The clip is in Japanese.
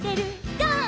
ゴー！」